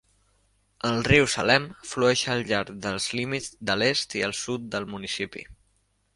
El riu Salem flueix al llarg dels límits de l'est i el sud del municipi.